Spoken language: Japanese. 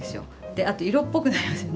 あと色っぽくなりますよね。